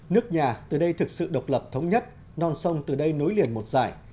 nước nhà từ đây thực sự độc lập thống nhất non sông từ đây nối liền một dài